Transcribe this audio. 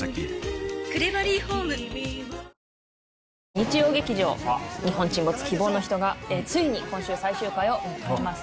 日曜劇場「日本沈没−希望の人−」がついに今週最終回を迎えます